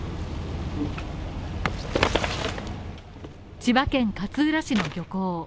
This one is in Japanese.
千葉県勝浦市の漁港。